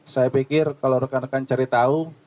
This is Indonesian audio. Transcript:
saya pikir kalau rekan rekan cari tahu